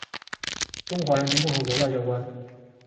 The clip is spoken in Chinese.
中华人民共和国外交官。